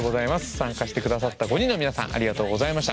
参加して下さった５人の皆さんありがとうございました。